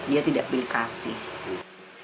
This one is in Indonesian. dia tidak berkasih